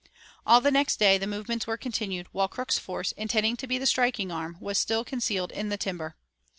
All the next day the movements were continued, while Crook's force, intended to be the striking arm, was still concealed in the timber.